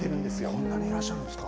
こんなにいらっしゃるんですか。